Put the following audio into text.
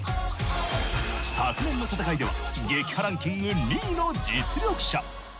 昨年の戦いでは撃破ランキング２位の実力者。